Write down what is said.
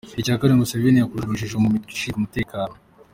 Icya kane, Museveni yakujije urujijo mu mitwe ishinzwe umutekano.